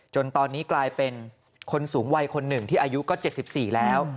จนตอนนี้กลายเป็นคนสูงวัยคนหนึ่งที่อายุก็๗๔แล้ว